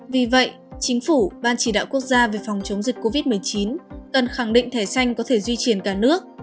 vì vậy chính phủ ban chỉ đạo quốc gia về phòng chống dịch covid một mươi chín cần khẳng định thẻ xanh có thể di chuyển cả nước